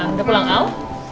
udah pulang al